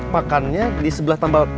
pakannya di sebelah tambal ban itu